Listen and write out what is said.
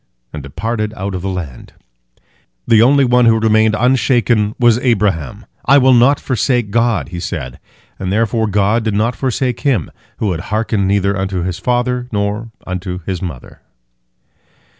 and departed out of the land. The only one who remained unshaken was Abraham. "I will not forsake God," he said, and therefore God did not forsake him, who had hearkened neither unto his father nor unto his mother.